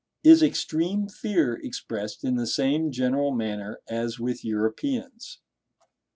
Is extreme fear expressed in the same general manner as with Europeans?